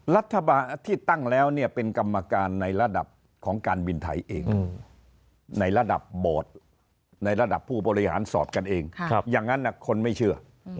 รัฐบาลที่ตั้งแล้วเนี่ยเป็นกรรมการในระดับของการบินไทยเองในระดับโบสถ์ในระดับผู้บริหารสอบกันเองอย่างนั้นคนไม่เชื่อ